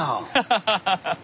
ハハハハハ。